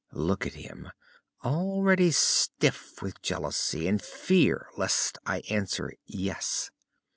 Look at him, already stiff with jealousy, and fear lest I answer, 'Yes'."